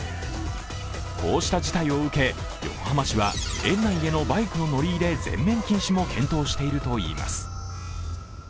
こうした事態を受け横浜市は園内へのバイクの乗り入れ全面禁止を検討しているといいます。